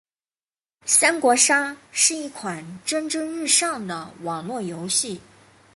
三国杀是一款蒸蒸日上的网络游戏。